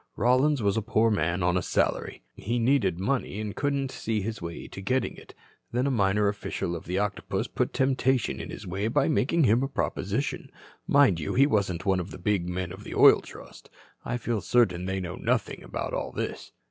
Rollins was a poor man on a salary. "He needed money and couldn't see his way to getting it. Then a minor official of the Octopus put temptation in his way by making him a proposition. Mind you, he wasn't one of the big men of the Oil Trust. I feel certain they know nothing about all this.